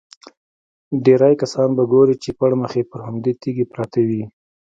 ډېری کسان به ګورې چې پړمخې پر همدې تیږې پراته وي.